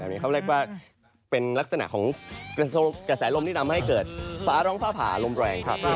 แบบนี้ครับเรียกว่าเป็นลักษณะของกระแสลมที่นำให้เกิดฝาร้องฝ้าผ่าลมแรงครับ